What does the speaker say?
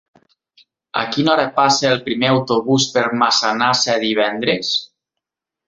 A quina hora passa el primer autobús per Massanassa divendres?